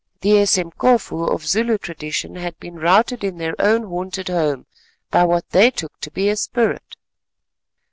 The Esemkofu of Zulu tradition had been routed in their own haunted home by what they took to be a spirit.